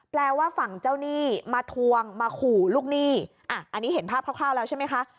แปลว่าฝั่งเจ้าหนี้มาทวงมาขู่ลูกหนี้อ่ะอันนี้เห็นภาพคร่าวแล้วใช่ไหมคะ